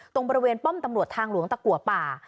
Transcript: ตรงบริเวณป้อมตำรวจทางหลวงตะกัวป่า